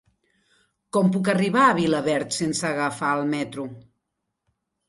Com puc arribar a Vilaverd sense agafar el metro?